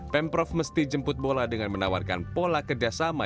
pemprov mesti jemput bola dengan menawarkan pola kerja sekolah